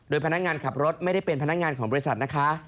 พนักงานขับรถไม่ได้เป็นพนักงานของบริษัทนะคะ